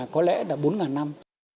có lẽ là bốn ngàn năm